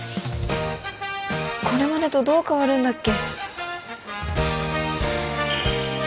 これまでとどう変わるんだっけ？